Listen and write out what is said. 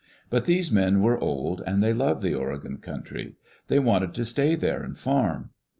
But these men were old, and they loved the Oregon country. They wanted to stay there and farm.